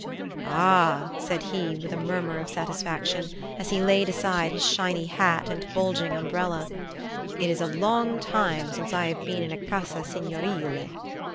"Ah," said he with a murmur of satisfaction, as he laid aside his shiny hat and bulging umbrella, "it is a long time since I have been in a casa signorile."